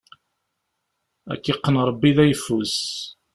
Ad k-iqqen Ṛebbi d ayeffus!